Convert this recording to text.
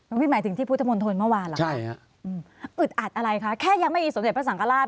หมายถึงที่พุทธมนตร์ทนเมื่อวานเหรอครับอืดอัดอะไรคะแค่ยังไม่อีสมเศรษฐ์ประสังกราช